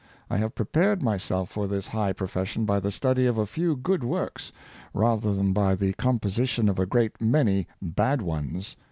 I have prepared my self for this high profession by the study of a few good works, rather than by the composition of a great many bad ones.